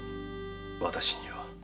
私には。